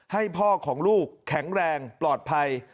ให้พ่อของลูกแข็งแรงปลอดภัย